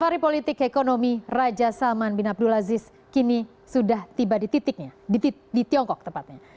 hari politik ekonomi raja salman bin abdulaziz kini sudah tiba di titiknya di tiongkok tepatnya